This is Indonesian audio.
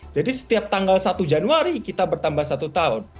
jadi setiap tanggal satu januari kita bertambah satu tahun